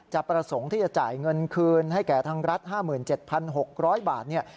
ประสงค์ที่จะจ่ายเงินคืนให้แก่ทางรัฐ๕๗๖๐๐บาท